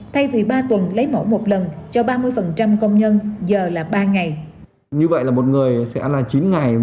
thay vì ba tuần lấy mẫu một lần cho ba mươi công nhân giờ là ba ngày